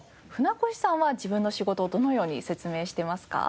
舟越さんは自分の仕事をどのように説明してますか？